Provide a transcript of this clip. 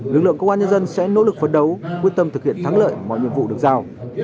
lực lượng công an nhân dân sẽ nỗ lực phấn đấu quyết tâm thực hiện thắng lợi mọi nhiệm vụ được giao